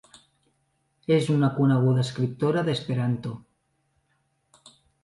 És una coneguda escriptora d'esperanto.